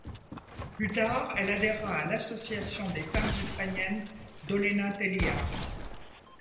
Plus tard, elle adhéra à l'Association des femmes ukrainiennes d'Olena Teliha.